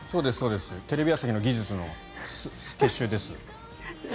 テレビ朝日の技術の結集です。